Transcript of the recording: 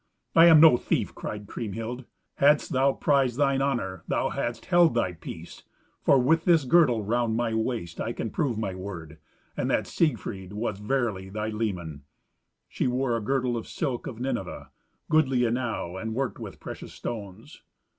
"I am no thief," cried Kriemhild. "Hadst thou prized thine honour thou hadst held thy peace, for, with this girdle round my waist, I can prove my word, and that Siegfried was verily thy leman." She wore a girdle of silk of Nineveh, goodly enow, and worked with precious stones.